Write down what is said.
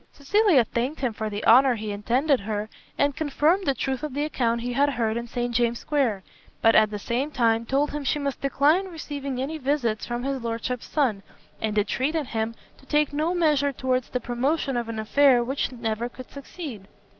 Cecilia thanked him for the honour he intended her, and confirmed the truth of the account he had heard in St James' square, but at the same time told him she must decline receiving any visits from his lordship's son, and entreated him to take no measure towards the promotion of an affair which never could succeed.